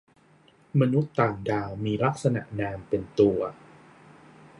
มนุษย์ต่างดาวมีลักษณะนามเป็นตัว